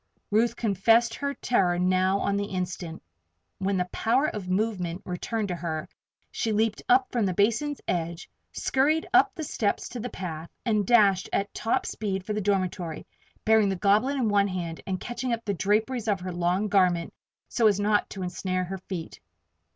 Ruth Fielding confessed her terror now on the instant. When power of movement returned to her, she leaped from the basin's edge, scurried up the steps to the path, and dashed at top speed for the dormitory, bearing the goblet in one hand and catching up the draperies of her long garment so as not to ensnare her feet.